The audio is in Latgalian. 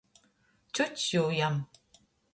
Cjucs jū jam!